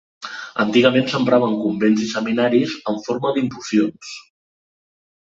Antigament s'emprava en convents i seminaris en forma d'infusions.